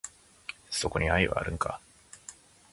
そこに愛はあるんか？